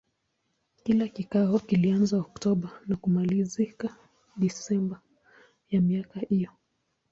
Kila kikao kilianza Oktoba na kumalizika Desemba ya miaka hiyo.